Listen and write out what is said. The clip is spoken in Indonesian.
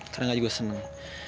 karangnya juga senang